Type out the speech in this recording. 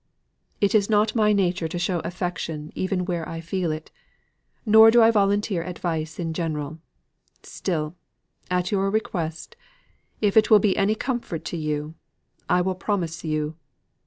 "It is not my nature to show affection even where I feel it, nor do I volunteer advice in general. Still, at your request, if it will be any comfort to you, I will promise you."